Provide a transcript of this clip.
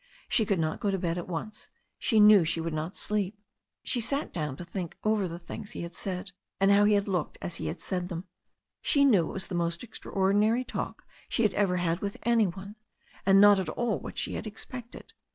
She could not go to bed at once. She knew she would not sleep. She sat down to think over the things he had said, and of how he had looked as he said them. She knew it was the most extraordinary talk she had ever had with any one, and not at all what she had expected.